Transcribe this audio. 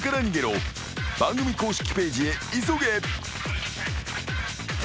［番組公式ページへ急げ］